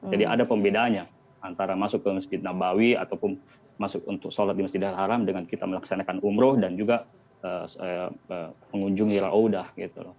jadi ada pembedaannya antara masuk ke masjid dabawi ataupun masuk untuk sholat di masjid al haram dengan kita melaksanakan umroh dan juga pengunjungi raudah gitu loh